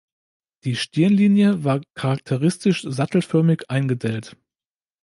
Die Stirnlinie war charakteristisch sattelförmig eingedellt.